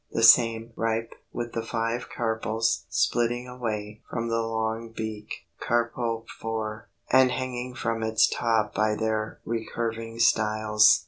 The same, ripe, with the five carpels splitting away from the long beak (carpophore), and hanging from its top by their recurving styles.